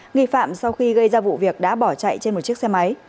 nghi phạm sau khi gây ra vụ việc đã bỏ chạy trên một chiếc xe máy